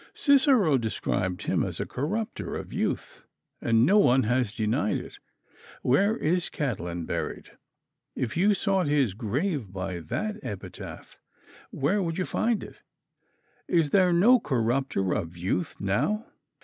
Cicero described him as "a corrupter of youth," and no one has denied it. Where is Catiline buried? If you sought his grave by that epitaph, where would you find it? Is there no corrupter of youth now?